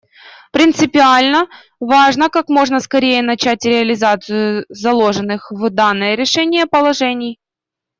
Принципиально важно как можно скорее начать реализацию заложенных в данное решение положений.